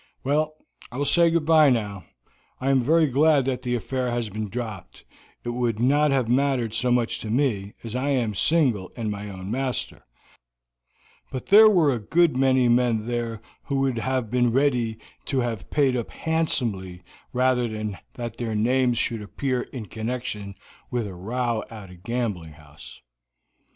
Well, I will say goodby now. I am very glad that the affair has been dropped; it would not have mattered so much to me, as I am single and my own master, but there were a good many men there who would have been ready to have paid up handsomely rather than that their names should appear in connection with a row at a gambling house."